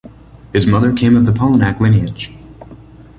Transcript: His mother came of the Polignac lineage.